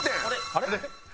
あれ？